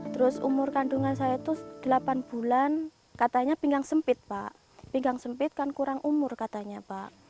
terus umur kandungan saya itu delapan bulan katanya pinggang sempit pak pinggang sempit kan kurang umur katanya pak